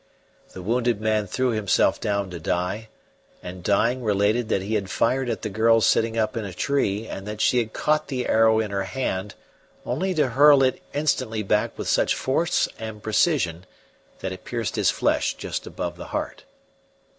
The wounded man threw himself down to die, and dying related that he had fired at the girl sitting up in a tree and that she had caught the arrow in her hand only to hurl it instantly back with such force and precision that it pierced his flesh just over the heart.